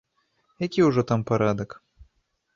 Які ўжо там парадак!